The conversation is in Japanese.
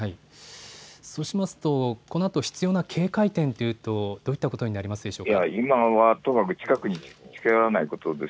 そうしますとこのあと必要な警戒点というと、どういったことになるでしょうか。